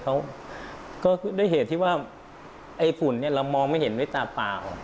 ก็ด้วยเหตุที่ว่าไอ้ฝุ่นเรามองไม่เห็นไว้จ้าเปล่า